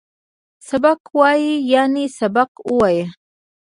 سبک وویه ، یعنی سبق ووایه